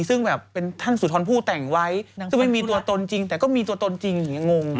ซึ่งแบบเป็นท่านสุธรผู้แต่งไว้ซึ่งไม่มีตัวตนจริงแต่ก็มีตัวตนจริงอย่างนี้งง